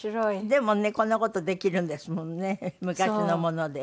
でもねこんな事できるんですものね昔のもので。